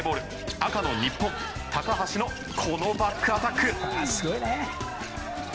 赤の日本、高橋のこのバックアタック。